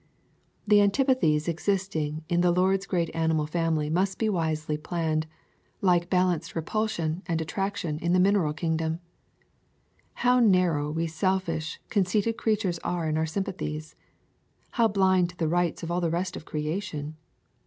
The antipathies existing in the Lord's great animal family must be wisely planned, like balanced repulsion and attraction in the min eral kingdom. How narrow we selfish, con ceited creatures are in our sympathies! how blind to the rights of all the rest of creation!